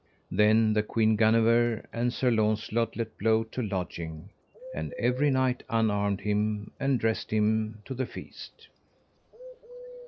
Then the Queen Guenever and Sir Launcelot let blow to lodging, and every knight unarmed him, and dressed him to the feast.